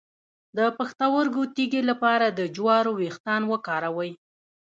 د پښتورګو تیږې لپاره د جوارو ویښتان وکاروئ